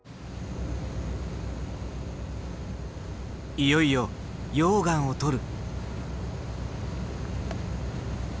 いよいよ溶岩を採る。